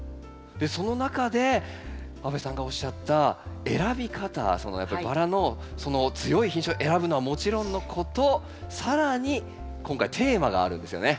その中で阿部さんがおっしゃった選び方やっぱりバラのその強い品種を選ぶのはもちろんのこと更に今回テーマがあるんですよね？